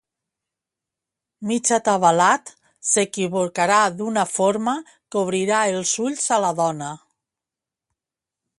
Mig atabalat, s'equivocarà d'una forma que obrirà els ulls a la dona.